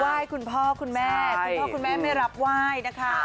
ไหว้คุณพ่อคุณแม่คุณพ่อคุณแม่ไม่รับไหว้นะคะ